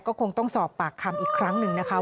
ก็คงต้องสอบปากคำอีกครั้งหนึ่งนะคะ